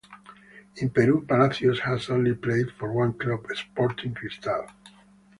In Peru, Palacios has only played for one club, Sporting Cristal.